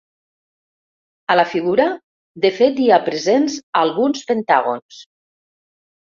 A la figura, de fet hi ha presents alguns pentàgons.